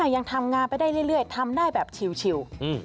ยังทำงานไปได้เรื่อยทำได้แบบชิว